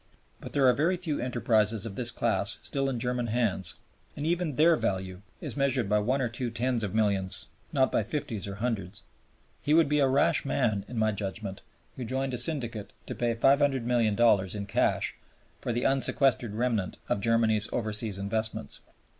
But there are very few enterprises of this class still in German hands, and even their value is measured by one or two tens of millions, not by fifties or hundreds. He would be a rash man, in my judgment, who joined a syndicate to pay $500,000,000 in cash for the unsequestered remnant of Germany's overseas investments.